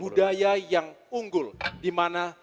budaya yang unggul dimana